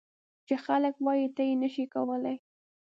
چې خلک وایي ته یې نه شې کولای.